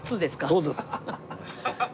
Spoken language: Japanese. そうです。